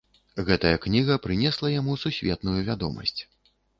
Гэтая кніга прынесла яму сусветную вядомасць.